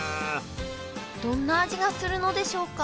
どんな味がするのでしょうか？